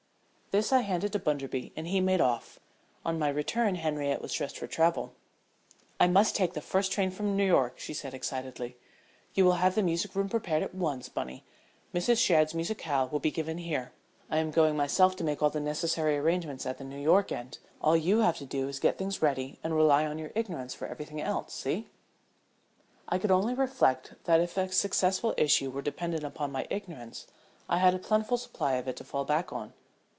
This I handed to Bunderby and he made off. On my return Henriette was dressed for travel. "I must take the first train for New York," she said, excitedly. "You will have the music room prepared at once, Bunny. Mrs. Shadd's musicale will be given here. I am going myself to make all the necessary arrangements at the New York end. All you have to do is to get things ready and rely on your ignorance for everything else. See?" I could only reflect that if a successful issue were dependent upon my ignorance I had a plentiful supply of it to fall back on.